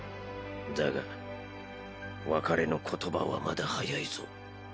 だが別れの言葉はまだ早いぞ。